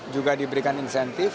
juga diberikan insentif